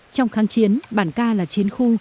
trong kháng chiến bản ca là chiến khu